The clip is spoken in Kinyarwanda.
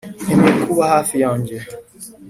nkeneye kuba hafi yanjye